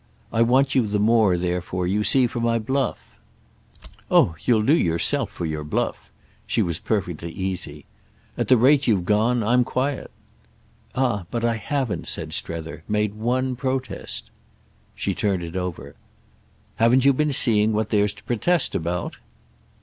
I want you the more therefore, you see, for my bluff." "Oh you'll do yourself for your bluff." She was perfectly easy. "At the rate you've gone I'm quiet." "Ah but I haven't," said Strether, "made one protest." She turned it over. "Haven't you been seeing what there's to protest about?"